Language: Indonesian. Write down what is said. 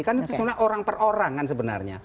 kan itu sebenarnya orang per orang kan sebenarnya